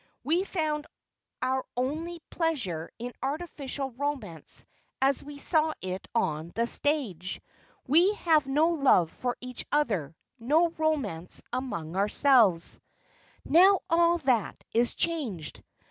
We found our only pleasure in artificial romance as we saw it on the stage. We had no love for each other no romance among ourselves. "Now all that is changed.